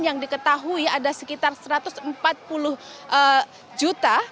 yang diketahui ada sekitar satu ratus empat puluh juta